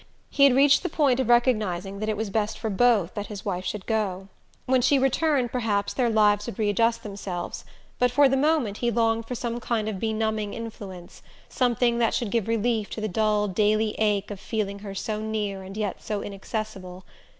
He had reached the point of recognizing that it was best for both that his wife should go. When she returned perhaps their lives would readjust themselves but for the moment he longed for some kind of benumbing influence, something that should give relief to the dull daily ache of feeling her so near and yet so inaccessible.